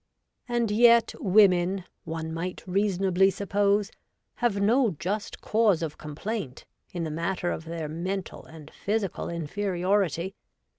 And yet women, one might reasonably suppose, have no just cause of complaint in the matter of their mental and physical inferiority.